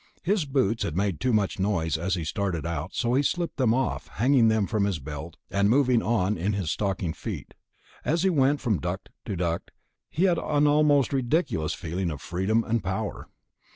His boots had made too much noise as he started out, so he had slipped them off, hanging them from his belt and moving on in his stocking feet. As he went from duct to duct, he had an almost ridiculous feeling of freedom and power.